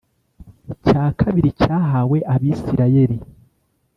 cya kabiri cyahawe Abisirayeli